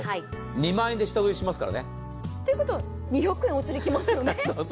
２万円で下取りしますからね。ということは２００円おつりきますよね。